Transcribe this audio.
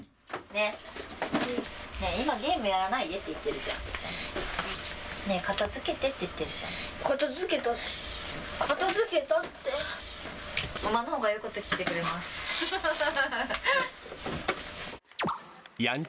ねぇ、今、ゲームやらないでって言ってるじゃん。ねぇ、片づけてって言ってるじゃん。